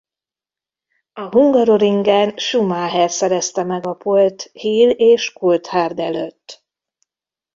A Hungaroringen Schumacher szerezte meg a pole-t Hill és Coulthard előtt.